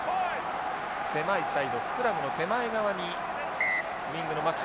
狭いサイドスクラムの手前側にウイングの松島。